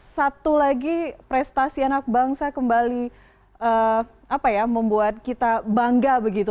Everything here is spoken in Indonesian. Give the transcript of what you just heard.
satu lagi prestasi anak bangsa kembali membuat kita bangga begitu